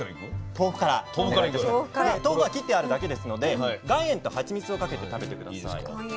豆腐は切ってあるだけですので岩塩とハチミツをかけて食べて下さい。